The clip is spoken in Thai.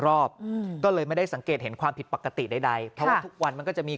รอบก็เลยไม่ได้สังเกตเห็นความผิดปกติใดวันมันก็จะมี